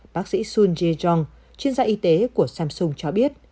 bác sĩ sun jae jong chuyên gia y tế của samsung cho biết